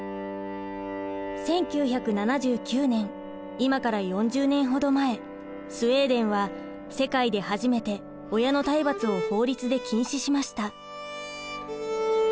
１９７９年今から４０年ほど前スウェーデンは世界で初めて親の体罰を法律で禁止しました。